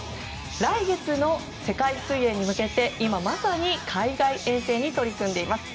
来月の世界水泳に向けて今まさに海外遠征に取り組んでいます。